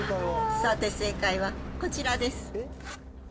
さて正解はこちらです。